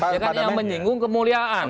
yang menyinggung kemuliaan